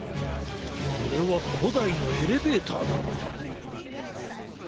これはこだいのエレベーターだな。